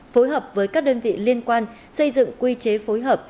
phối hợp với các đơn vị liên quan xây dựng quy chế phối hợp